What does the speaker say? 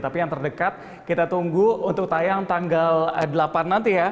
tapi yang terdekat kita tunggu untuk tayang tanggal delapan nanti ya